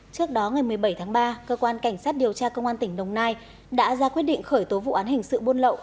trước đó ngày một mươi bảy tháng ba cơ quan cảnh sát điều tra công an tỉnh đồng nai đã ra quyết định khởi tố vụ án hình sự buôn lậu